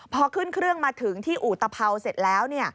พอขึ้นเครื่องมาถึงที่อุตภัวเสร็จแล้ว